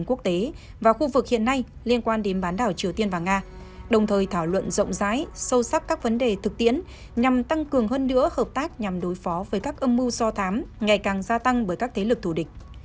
nhằm tăng cường hơn nữa hợp tác nhằm đối phó với các âm mưu so thám ngày càng gia tăng bởi các thế lực thủ địch